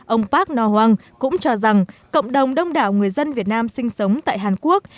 ông park no hwang cũng cho rằng cộng đồng đông đảo người dân việt nam sinh sống tại hàn quốc